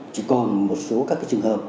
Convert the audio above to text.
chỉ còn một số các cái trường hợp